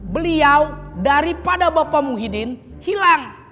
beliau daripada bapak muhyiddin hilang